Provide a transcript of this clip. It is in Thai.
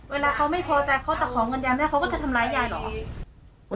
เวลาเขาไม่พอจากเขาจะของเงินยันแล้วเขาก็จะทำลายยายหรอ